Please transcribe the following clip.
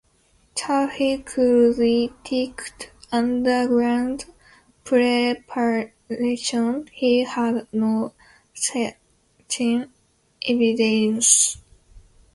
Though he could detect underground preparations, he had no certain evidence.